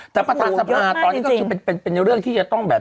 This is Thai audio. แต่ประธานสภาตอนนี้ก็คือเป็นเรื่องที่จะต้องแบบ